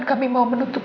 kamu lalu seket goog